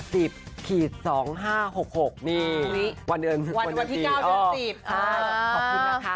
ขอบคุณนะคะ